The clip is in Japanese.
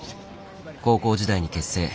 高校時代に結成。